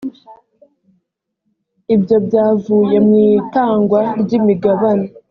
ibyo byavuye mu itangwa ry’imigabane